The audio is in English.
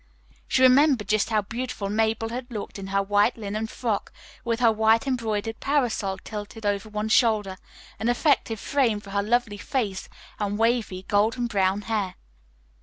She remembered just how beautiful Mabel had looked in her white linen frock, with her white embroidered parasol tilted over one shoulder, an effective frame for her lovely face and wavy, golden brown hair.